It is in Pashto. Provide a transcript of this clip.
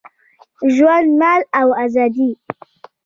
ژوند، مال او آزادي